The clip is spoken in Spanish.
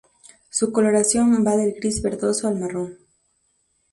Su coloración va del gris verdoso al marrón.